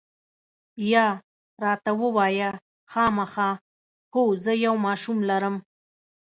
یا، راته ووایه، خامخا؟ هو، زه یو ماشوم لرم.